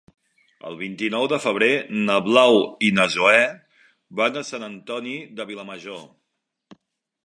El vint-i-nou de febrer na Blau i na Zoè van a Sant Antoni de Vilamajor.